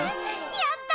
やった！